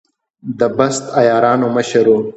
د بست د عیارانو مشر شو.